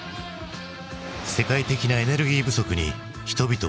世界的なエネルギー不足に人々は動揺。